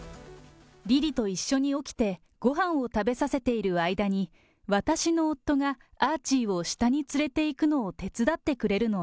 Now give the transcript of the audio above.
リリと一緒に起きて、ごはんを食べさせている間に、私の夫がアーチーを下に連れていくのを手伝ってくれるの。